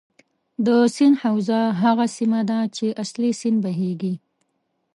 د سیند حوزه هغه سیمه ده چې اصلي سیند بهیږي.